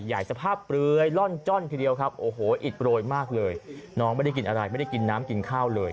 สภาพเปลือยล่อนจ้อนทีเดียวครับโอ้โหอิดโรยมากเลยน้องไม่ได้กินอะไรไม่ได้กินน้ำกินข้าวเลย